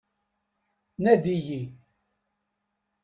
Nadi-yi.